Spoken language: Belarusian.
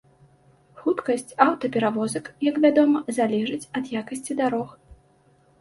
Хуткасць аўтаперавозак, як вядома, залежыць ад якасці дарог.